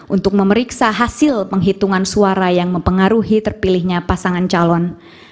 untuk memeriksa hasil penghitungan suara yang mempengaruhi terpilihnya pasangan calon